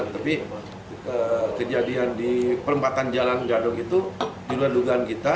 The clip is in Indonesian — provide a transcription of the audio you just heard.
tapi kejadian di perempatan jalan gadok itu di luar dugaan kita